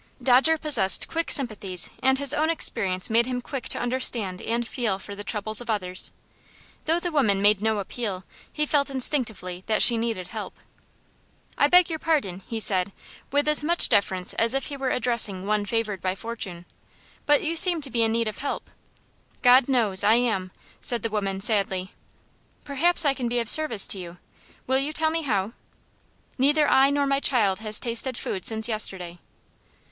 Dodger possessed quick sympathies, and his own experience made him quick to understand and feel for the troubles of others. Though the woman made no appeal, he felt instinctively that she needed help. "I beg your pardon," he said, with as much deference as if he were addressing one favored by fortune, "but you seem to be in need of help?" "God knows, I am!" said the woman, sadly. "Perhaps I can be of service to you. Will you tell me how?" "Neither I nor my child has tasted food since yesterday."